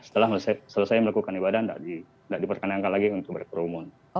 setelah selesai melakukan ibadah tidak diperkenankan lagi untuk berkerumun